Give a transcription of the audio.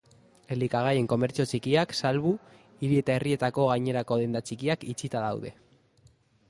Elikagaien komertzio txikiak salbu, hiri eta herrietako gainerako denda txikiak itxita daude.